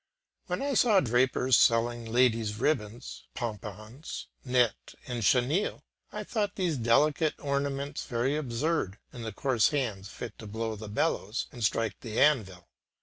When I saw drapers selling ladies ribbons, pompons, net, and chenille, I thought these delicate ornaments very absurd in the coarse hands fit to blow the bellows and strike the anvil.